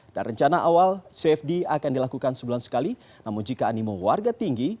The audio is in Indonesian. dan rencana awal cfd akan dilakukan sebulan sekali namun jika animu warga tinggi